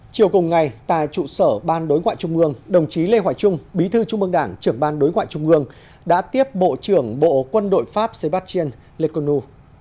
chiều cùng ngày tại trụ sở ban đối ngoại trung ương đồng chí lê hoài trung bí thư trung mương đảng trưởng ban đối ngoại trung ương đã tiếp bộ trưởng bộ quân đội pháp sébastien lekonu